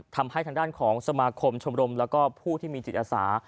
ทำให้ทางด้านของสมาคมชมรมแล้วก็ผู้ที่มีจิตอาสา